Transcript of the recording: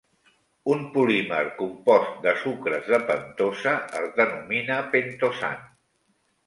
Un polímer compost de sucres de pentosa es denomina pentosan.